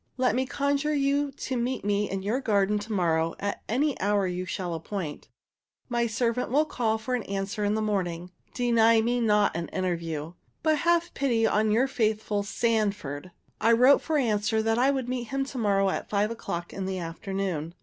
"Let me conjure you to meet me in your garden to morrow at any hour you shall appoint. My servant will call for an answer in the morning. Deny me not an interview, but have pity on your faithful SANFORD." I wrote for answer that I would meet him to morrow, at five o'clock in the afternoon.